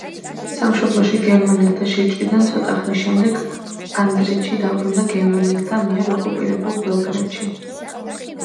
სამშობლოში გერმანელთა შეჭრიდან ცოტა ხნის შემდეგ ანდრიჩი დაბრუნდა გერმანელთა მიერ ოკუპირებულ ბელგრადში.